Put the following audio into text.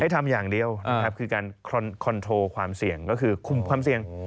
ทำอย่างเดียวนะครับคือการคอนโทรความเสี่ยงก็คือคุมความเสี่ยง